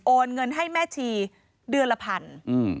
เงินให้แม่ชีเดือนละพัน